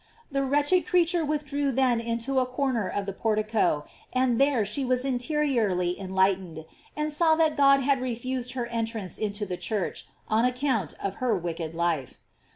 The wretched creature withdrew then into a corner of the portico, and there she was interiorly enlightened, and saw that God had refused her entrance into the church on account of her wicked life.